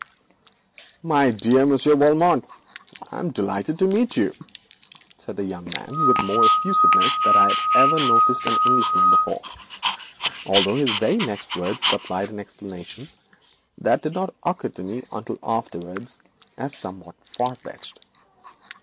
'My dear Monsieur Valmont, I am delighted to meet you,' began the young man with more of effusiveness than I had ever noticed in an Englishman before, although his very next words supplied an explanation that did not occur to me until afterwards as somewhat far fetched.